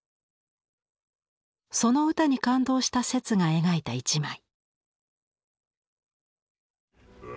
その歌に感動した摂が描いた一枚。